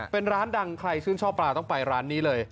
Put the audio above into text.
เป็นร้านดังใครชื่นชอบปลาต้องไปร้านนี้เลย